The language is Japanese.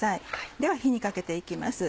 では火にかけて行きます。